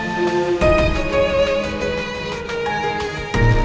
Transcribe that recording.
kamu harus atuh